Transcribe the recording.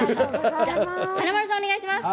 華丸さん、お願いします。